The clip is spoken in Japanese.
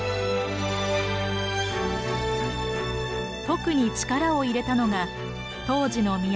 特に力を入れたのが当時の都